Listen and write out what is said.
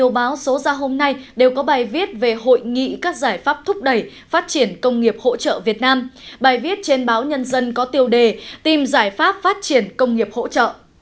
bài viết trên báo nhân dân có tiêu đề tìm giải pháp phát triển công nghiệp hỗ trợ